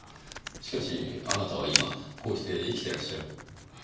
しかしあなたは今こうして生きてらっしゃる。